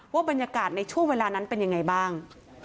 บรรยากาศในช่วงเวลานั้นเป็นยังไงบ้าง